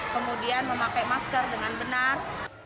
kemudian memakai masker dengan benar